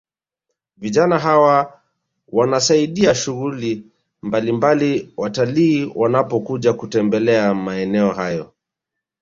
Vijana hawa wanawasaidia shughuli mbalimbali watalii wanapokuja kutembelea maeneo hayo